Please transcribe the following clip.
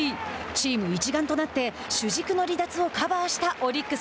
チーム一丸となって主軸の離脱をカバーしたオリックス。